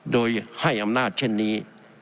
โดยให้อำนาจเช่นนี้